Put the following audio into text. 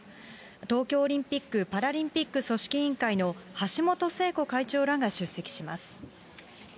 東京オリンピック・パラリンピック組織委員会の橋本聖子会長らが出席します。